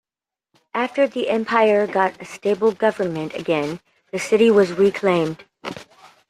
After the empire got a stable government again, the city was reclaimed.